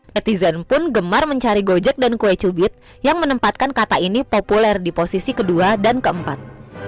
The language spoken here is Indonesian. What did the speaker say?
netizen pun gemar mencari gojek dan kue cubit yang menempatkan kata ini populer di posisi kedua dan keempat